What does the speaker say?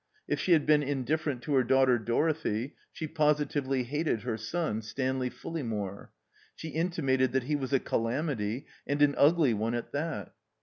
If she had been indifferent to her daughter Dorothy, she positively hated her son, Stanley Ftdlejmiore. She intimated that he was a calamity, and an ugly one at that.